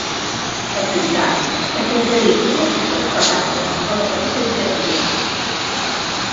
Es lluità per conquerir una pista d'aterratge a la petita illa de coral.